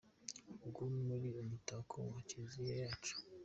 Ubwo muri umutako wa Kiliziya yacu